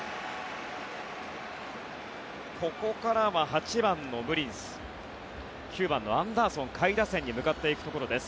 ここからは８番のムリンス９番のアンダーソン下位打線に向かっていくところです。